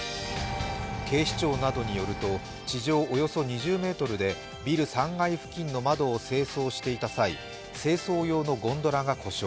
警視庁などによると地上およそ２０ｍでビル３階付近の窓を清掃していた際清掃用のゴンドラが故障。